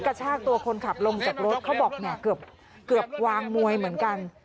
กระชากตัวคนขับลงจากรถเขาบอกเนี่ยเกือบวางมวยเหมือนกัน